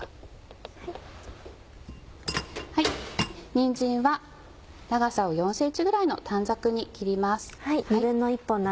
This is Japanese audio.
にんじんは長さを４ｃｍぐらいの短冊に切ります。